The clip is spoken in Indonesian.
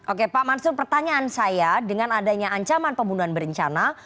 oke pak mansur pertanyaan saya dengan adanya ancaman pembunuhan berencana